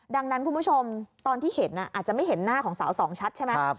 ดังนั้นคุณผู้ชมตอนที่เห็นอาจจะไม่เห็นหน้าของสาวสองชัดใช่ไหม